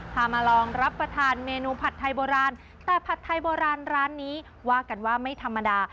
มาลองรับประทานเมนูผัดไทยโบราณแต่ผัดไทยโบราณร้านนี้ว่ากันว่าไม่ธรรมดา